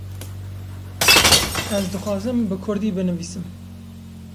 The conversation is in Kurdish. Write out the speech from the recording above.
Ez dixwazim bi kurdî binivîsim.